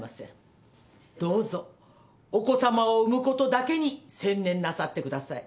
どうぞお子さまを産むことだけに専念なさってください。